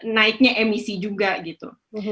naiknya emisi juga gitu